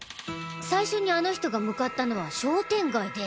最初にあの人が向かったのは商店街で。